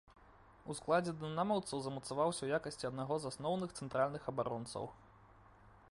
У складзе дынамаўцаў замацаваўся ў якасці аднаго з асноўных цэнтральных абаронцаў.